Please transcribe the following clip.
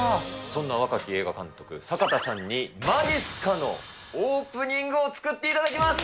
そんな若き映画監督、坂田さんにまじっすかのオープニングを作っていただきます。